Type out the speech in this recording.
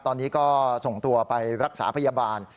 ตอนนี้ก็ส่งตัวไปรักษาพยาบาล